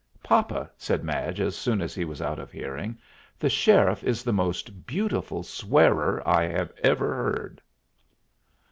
"Papa," said Madge, as soon as he was out of hearing, "the sheriff is the most beautiful swearer I ever heard."